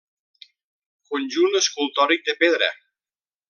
Conjunt escultòric de pedra.